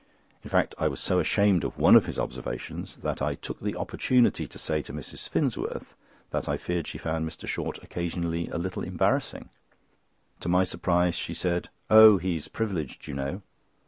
In fact I was so ashamed of one of his observations that I took the opportunity to say to Mrs. Finsworth that I feared she found Mr. Short occasionally a little embarrassing. To my surprise she said: "Oh! he is privileged you know."